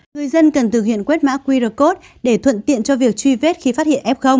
người dân cần thực hiện quét mã qr code để thuận tiện cho việc truy vết khi phát hiện f